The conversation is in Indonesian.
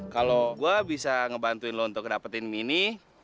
kalau gue bisa ngebantuin lu untuk ngedapetin mini